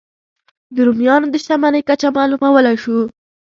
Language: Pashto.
د رومیانو د شتمنۍ کچه معلومولای شو.